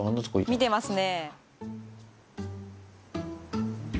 見てますね。